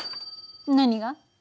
何が？